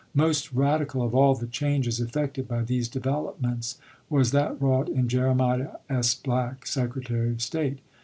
Most radical of all the changes effected by these developments was that wrought in Jeremiah S. Black, Secretary of State.